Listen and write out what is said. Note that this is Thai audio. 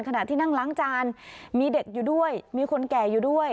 ขณะที่นั่งล้างจานมีเด็กอยู่ด้วยมีคนแก่อยู่ด้วย